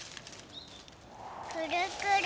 くるくる。